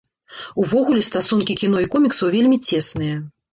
Увогуле, стасункі кіно і коміксаў вельмі цесныя.